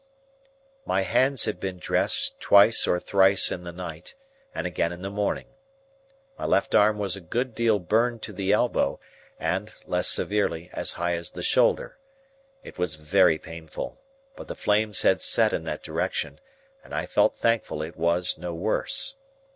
My hands had been dressed twice or thrice in the night, and again in the morning. My left arm was a good deal burned to the elbow, and, less severely, as high as the shoulder; it was very painful, but the flames had set in that direction, and I felt thankful it was no worse.